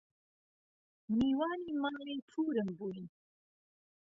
میوانی ماڵی پوورم بووین